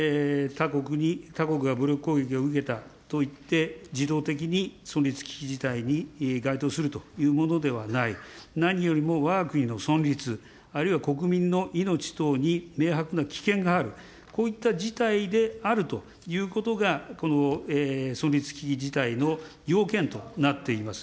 他国が武力攻撃を受けたといって、自動的に存立危機事態に該当するというものではない、何よりもわが国の存立、あるいは国民の命等に明白な危険がある、こういった事態であるということが、存立危機事態の要件となっています。